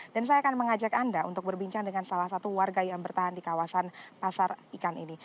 dan saya akan mengajak anda untuk berbincang dengan salah satu warga yang bertahan di kawasan pasar ikan ini